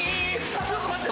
ちょっと待って。